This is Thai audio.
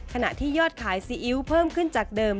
ขณะที่ยอดขายซีอิ๊วเพิ่มขึ้นจากเดิม